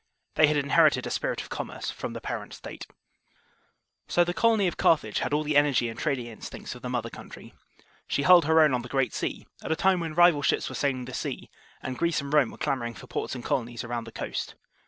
They had inherited a spirit of commerce from the parent State. 76 A CARTHAGINIAN EXPLORER. So the colony of Carthage had all the energy trading instincts of the mother country. She held her own on the Great Sea, at a time when rival ships were sailing the sea, and Greece and Rome were clamouring for ports and colonies around the coast.